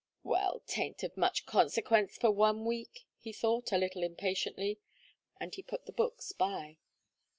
"Well, 'taint of much consequence for one week," he thought, a little impatiently, and he put the books by.